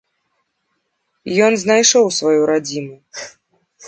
Ён знайшоў сваю радзіму.